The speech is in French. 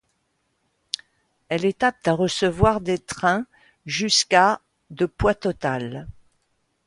Elle est apte à recevoir des trains jusqu'à de poids total.